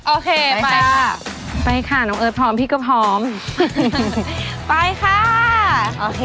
โอเคไปค่ะไปค่ะน้องเอิร์ทพร้อมพี่ก็พร้อมไปค่ะโอเค